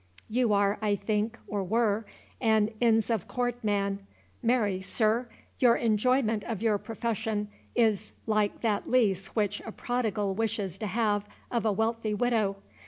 You are, I think, or were, an Inns of Court man—marry, sir, your enjoyment of your profession is like that lease which a prodigal wishes to have of a wealthy widow.